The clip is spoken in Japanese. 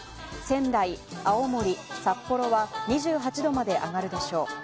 仙台、青森、札幌は２８度まで上がるでしょう。